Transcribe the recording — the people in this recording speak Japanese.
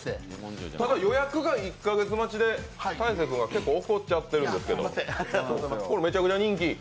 予約が１か月待ちで、大晴君が結構怒っちゃってるんですけどこれ、めちゃくちゃ人気？